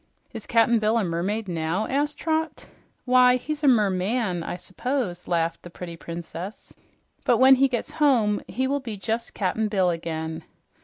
"Is Cap'n Bill a mermaid now?" asked Trot. "Why, he's a merMAN, I suppose," laughed the pretty princess. "But when he gets home, he will be just Cap'n Bill again."